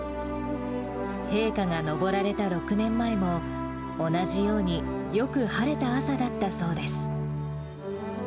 陛下が登られた６年前も、同じようによく晴れた朝だったそうです。